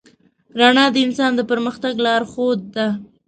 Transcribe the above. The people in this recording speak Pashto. رڼا د انسان د پرمختګ لارښود ده.